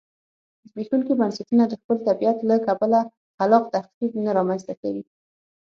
زبېښونکي بنسټونه د خپل طبیعت له کبله خلاق تخریب نه رامنځته کوي